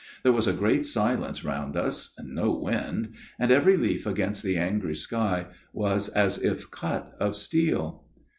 There was a great silence round us, and no wind, and every leaf against the angry sky was as if cut of steel.